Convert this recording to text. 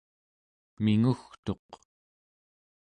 mingugtuq